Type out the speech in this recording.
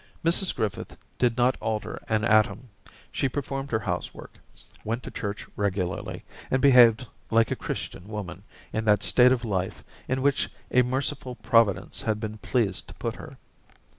Mrs Griffith did not alter an atom ; she performed her housework, went to church regularly, and behaved like a Christian woman in that state of life in which a merciful Providence had been pleased to put her.